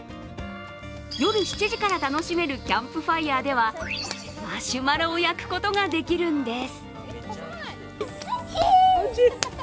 夜７時から楽しめるキャンプファイヤーではマシュマロを焼くことができるんです。